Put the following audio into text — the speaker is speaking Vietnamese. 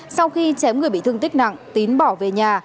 sau khi chém người bị thương tích nặng tín bỏ về nhà